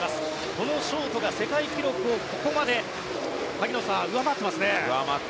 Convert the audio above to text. このショートが世界記録をここまで上回ってますね。